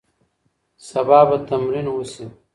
سبا به تمرین وسي.